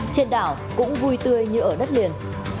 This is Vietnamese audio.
trên đảo cũng vui tươi như ở đất liền